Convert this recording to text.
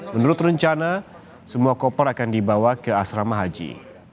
menurut rencana semua koper akan dibawa ke asrama haji